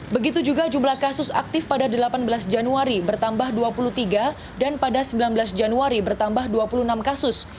begitu juga jumlah kasus aktif pada delapan belas januari bertambah dua puluh tiga dan pada sembilan belas januari bertambah dua puluh enam kasus